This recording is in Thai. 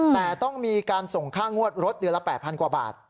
แต่ต้องมีการส่งค่างวดรถเดือนละ๘๐๐กว่าบาท